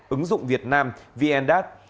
ứng dụng việt nam vndat